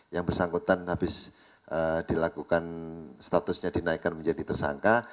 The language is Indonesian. yang bersangkutan habis dilakukan statusnya dinaikkan menjadi tersangka